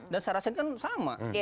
dan sarasen kan sama